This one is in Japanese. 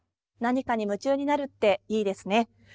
何かに夢中になるっていいですね。